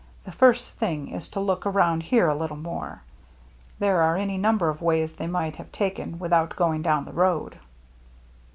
The first thing is to look around here a litde more. There are any number of ways they might have taken without going down the road."